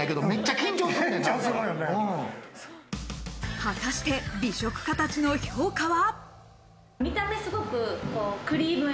果たして、美食家たちの評価は。